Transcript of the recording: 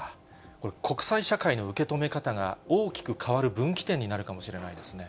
これ、国際社会の受け止め方が大きく変わる分岐点になるかもしれないですね。